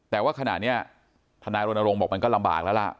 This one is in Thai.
แต่ว่าขณะนี้ทนายรณรงค์บอกมันก็ลำบากแล้วล่ะ